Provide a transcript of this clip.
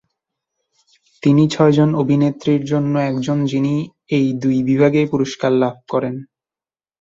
তিনি ছয়জন অভিনেত্রীর জন্য একজন, যিনি এই দুই বিভাগেই পুরস্কার লাভ করেছেন।